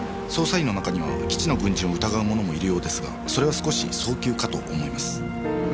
捜査員の中には基地の軍人を疑う者もいるようですがそれは少し早急かと思います。